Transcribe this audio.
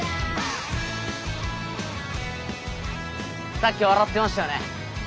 さっき笑ってましたよね。